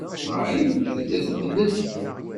Marie tella tebded.